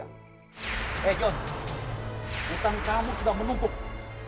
utang kamu sudah menunggu